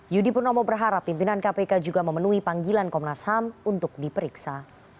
yudi purnomo berharap pimpinan kpk juga memenuhi panggilan komnas ham untuk diperiksa